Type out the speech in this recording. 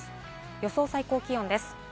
予想最高気温です。